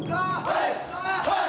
はい！